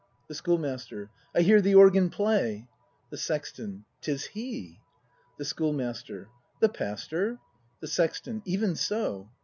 The Schoolmaster. I hear the organ play! The Sexton. 'Tis he. The Schoolmaster. The Pastor ? The Sexton. Even so.